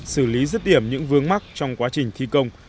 xử lý rứt điểm những vướng mắc trong quá trình thi công